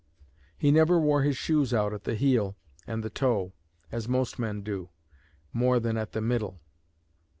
He never wore his shoes out at the heel and the toe, as most men do, more than at the middle.